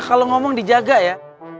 kalau ngomong dijaga ya